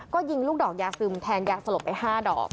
ก็ยิงลูกดอกยาซึมแทนยาสลบไป๕ดอก